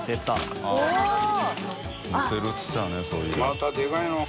またでかいのを。